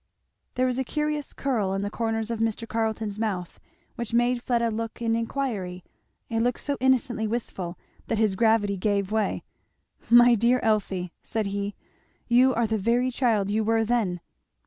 There was a curious curl in the corners of Mr. Carleton's mouth which made Fleda look an inquiry a look so innocently wistful that his gravity gave way. "My dear Elfie!" said he, "you are the very child you were then."